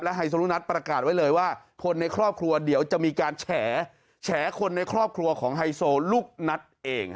ไฮโซลูนัทประกาศไว้เลยว่าคนในครอบครัวเดี๋ยวจะมีการแฉคนในครอบครัวของไฮโซลูกนัทเอง